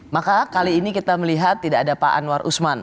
maka kali ini kita melihat tidak ada pak anwar usman